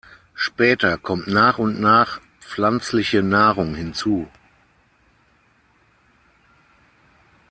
Später kommt nach und nach pflanzliche Nahrung hinzu.